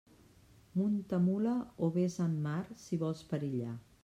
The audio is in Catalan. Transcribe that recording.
Munta mula o vés en mar si vols perillar.